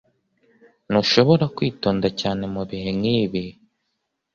Ntushobora kwitonda cyane mubihe nkibi